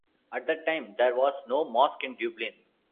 At that time there was no mosque in Dublin.